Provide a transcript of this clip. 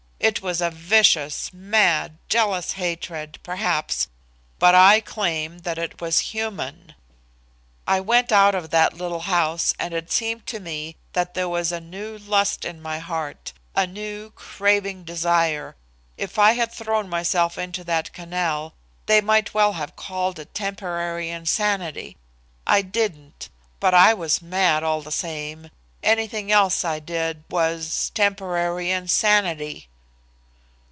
It was a vicious, mad, jealous hatred, perhaps, but I claim that it was human. I went out of that little house and it seemed to me that there was a new lust in my heart, a new, craving desire. If I had thrown myself into that canal, they might well have called it temporary insanity. I didn't, but I was mad all the same. Anything else I did was temporary insanity!"